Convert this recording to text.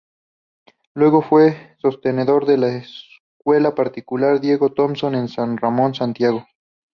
Luego, fue sostenedor de la Escuela particular Diego Thompson en San Ramón, Santiago.